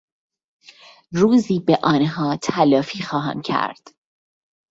روزی به آنها تلافی خواهم کرد!